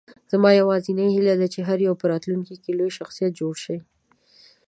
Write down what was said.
زما یوازینۍ هیله ده، چې هر یو په راتلونکې کې لوی شخصیت جوړ شي.